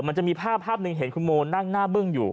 มันจะมีภาพภาพหนึ่งเห็นคุณโมนั่งหน้าบึ้งอยู่